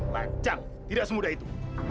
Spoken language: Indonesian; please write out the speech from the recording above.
bacang tidak semudah itu